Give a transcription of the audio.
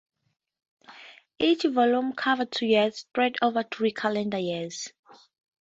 Each volume covered two years, spread over three calendar years.